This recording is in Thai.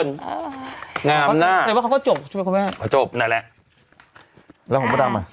งามหน้าแต่ว่าเขาก็จบใช่ไหมครับแม่จบนั่นแหละแล้วของพ่อดำอ่ะ